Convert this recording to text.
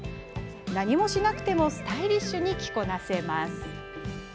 何もしなくてもスタイリッシュに着こなせます。